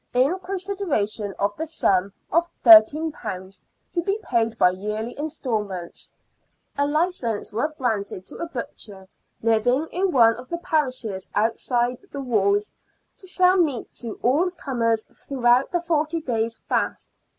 In consideration of the sum of £13, to be paid by yearly instalments, a licence was granted to a butcher, living in one of the parishes outside the walls, to sell meat to all comers throughout the forty days' fast.